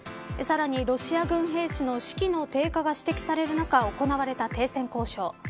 さらに、ロシア軍兵士の士気の低下が指摘される中行われた停戦交渉。